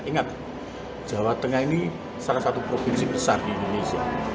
ingat jawa tengah ini salah satu provinsi besar di indonesia